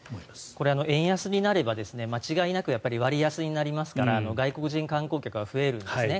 これは円安になれば間違いなく割安になりますから外国人観光客は増えるんですね。